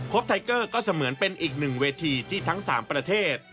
ไทเกอร์ก็เสมือนเป็นอีกหนึ่งเวทีที่ทั้ง๓ประเทศ